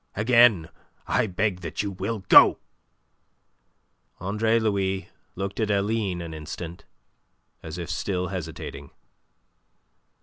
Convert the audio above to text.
Again, I beg that you will go." Andre Louis looked at Aline an instant, as if still hesitating.